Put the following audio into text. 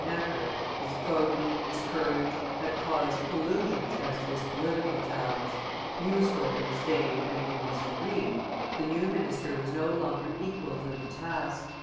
Necker, his probity, his courage, had caused illusions as to his political talents; useful in his day and in his degree, the new minister was no longer equal to the task.